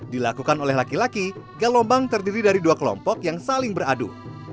dilakukan oleh laki laki galombang terdiri dari dua kelompok yang saling beradu